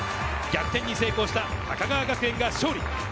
逆転に成功した高川学園が勝利。